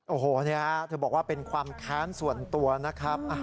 โอ้โหนี่ฮะเธอบอกว่าเป็นความแค้นส่วนตัวนะครับ